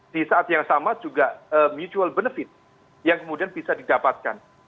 di saat yang sama juga mutual benefit yang kemudian bisa didapatkan